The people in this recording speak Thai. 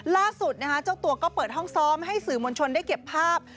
ล่าสุดนะคะเจ้าตัวก็เปิดห้องซ้อมให้สื่อมวลชนได้เก็บภาพ